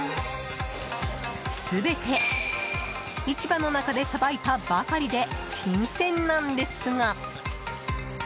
全て市場の中でさばいたばかりで新鮮なんですが。